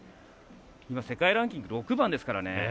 世界ランキング６番ですからね。